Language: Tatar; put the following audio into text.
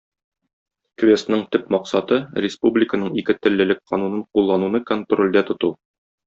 Квестның төп максаты - республиканың икетеллелек канунын куллануны контрольдә тоту.